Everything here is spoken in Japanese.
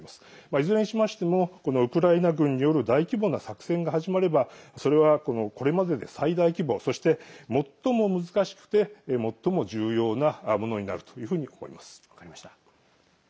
いずれにしましてもウクライナ軍による大規模な作戦が始まればそれは、これまでで最大規模そして、最も難しくて最も重要なものになるというふうに思います。